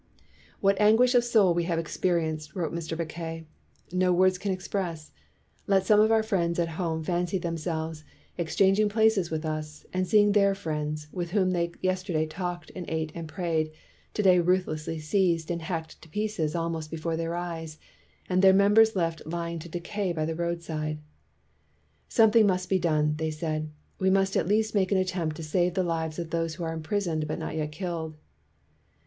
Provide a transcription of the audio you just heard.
"What anguish of soul we have experi enced," wrote Mr. Mackay, "no words can express. Let some of our friends at home 240 STURDY BLACK CHRISTIANS fancy themselves exchanging places with us, and seeing their friends, with whom they yesterday talked and ate and prayed, to day ruthlessly seized and hacked to pieces al most before their eyes, and their members left lying to decay by the roadside." "Something must be done," they said. "We must at least make an attempt to save the lives of those who are imprisoned but not yet killed."